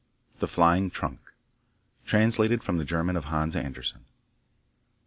The Flying Trunk Translated from the German of Hans Andersen.